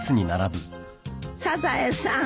サザエさん。